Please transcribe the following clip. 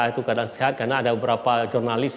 itu keadaan sehat karena ada beberapa jurnalis